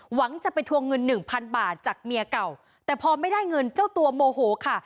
หวังจะไปทวงเงินหนึ่งพันบาทจากเมียเก่าแต่พอไม่ได้เงินเจ้าตัวโมโหค่ะ